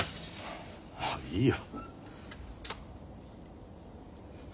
もういいよ。